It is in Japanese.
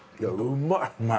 うまい。